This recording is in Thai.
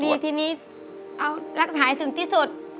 นี่ทีนี้เอารักษาให้ถึงที่สุด